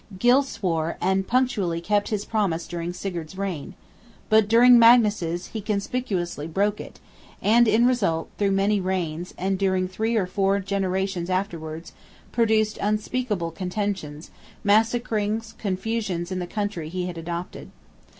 Gylle swore; and punctually kept his promise during Sigurd's reign. But during Magnus's, he conspicuously broke it; and, in result, through many reigns, and during three or four generations afterwards, produced unspeakable contentions, massacrings, confusions in the country he had adopted.